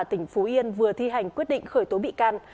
tỉnh phú yên vừa thi hành quyết định khởi tố bị can